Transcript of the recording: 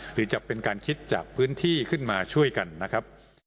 หรือจะเป็นการคิดจากพื้นที่ขึ้นมาช่วยกันนะครับ